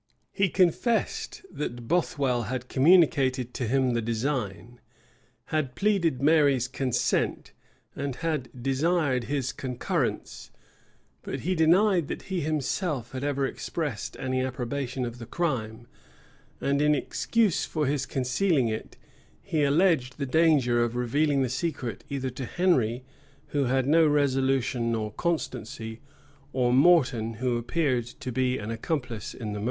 He confessed that Bothwell had communicated to him the design, had pleaded Mary's consent, and had desired his concurrence; but he denied that he himself had ever expressed any approbation of the crime; and in excuse for his concealing it, he alleged the danger of revealing the secret, either to Henry, who had no resolution nor constancy, or Morton, who appeared to be an accomplice in the murder.